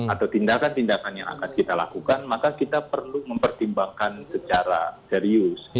atau tindakan tindakan yang akan kita lakukan maka kita perlu mempertimbangkan secara serius